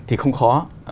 thì không khó